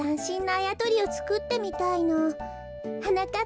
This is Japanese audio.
あやとりをつくってみたいの。はなかっ